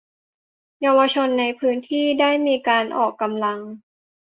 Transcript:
เยาวชนในพื้นที่ได้มีที่ออกกำลัง